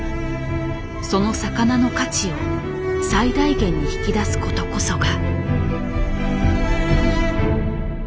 その魚の価値を最大限に引き出すことこそが。